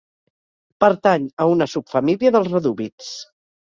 Pertany a una subfamília dels redúvids.